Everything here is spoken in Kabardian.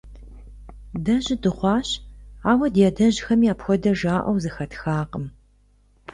Дэ жьы дыхъужащ, ауэ ди адэжьхэми апхуэдэ жаӀэу зэхэтхакъым.